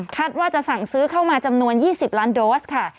ว่าจะสั่งซื้อเข้ามาจำนวน๒๐ล้านโดสค่ะ